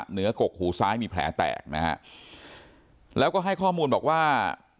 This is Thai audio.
กกหูซ้ายมีแผลแตกนะฮะแล้วก็ให้ข้อมูลบอกว่า